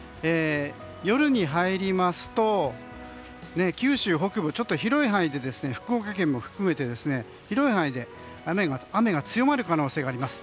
夜に入りますと九州北部広い範囲で福岡県も含めて広い範囲で雨が強まる可能性があります。